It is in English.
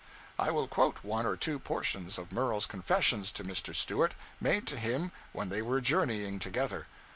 I will quote one or two portions of Murel's confessions to Mr. Stewart, made to him when they were journeying together.